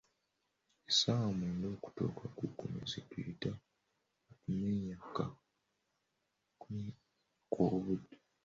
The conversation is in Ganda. Essaawa mwenda okutuuka ku kkumi ze tuyita "okumenyeka kw’obudde".